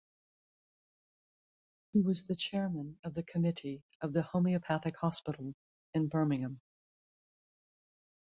He was chairman of the committee of the Homeopathic Hospital in Birmingham.